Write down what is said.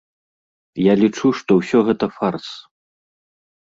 Я лічу, што ўсё гэта фарс.